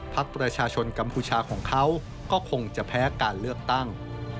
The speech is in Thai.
ประชาชนกัมพูชาของเขาก็คงจะแพ้การเลือกตั้ง